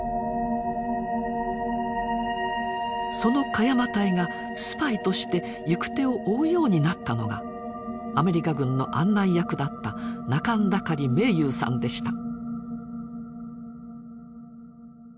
その鹿山隊がスパイとして行く手を追うようになったのがアメリカ軍の案内役だった仲村渠明勇さんでした。